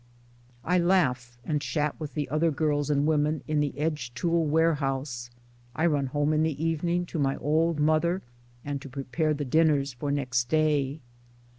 I laugh and chat with the other girls and women in the edge tool warehouse ; I run home in the evening to my old mother and to prepare the dinners for next day.